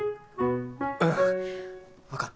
うんわかった。